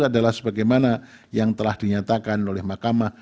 adalah sebagaimana yang telah dinyatakan oleh mahkamah